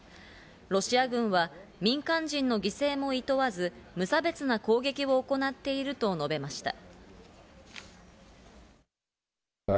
ロシア軍は民間人の犠牲もいとわず、無差別な攻撃を行っていると述べました。